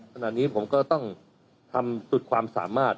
ขณะนี้ผมก็ต้องทำสุดความสามารถ